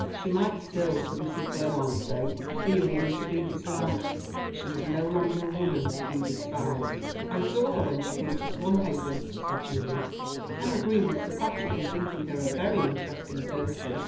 She might still (for Mrs. Glenarm's sake) be a woman to be disliked but she was no longer a woman to be despised. "I saw her when she came to Swanhaven," said Julius. "I agree with Sir Patrick in thinking her a very interesting person."